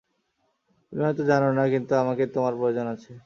তুমি হয়তো জানো না, কিন্তু আমাকে তোমার প্রয়োজন আছে।